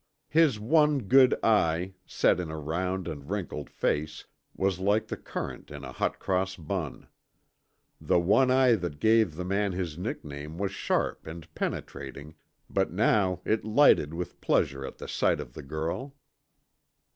His one good eye, set in a round and wrinkled face, was like the currant in a hot cross bun. The one eye that gave the man his nickname was sharp and penetrating, but now it lighted with pleasure at the sight of the girl.